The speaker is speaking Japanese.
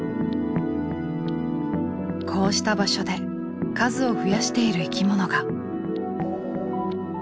こうした場所で数を増やしている生き物が。